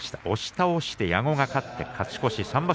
押し倒して矢後が勝って、勝ち越しです。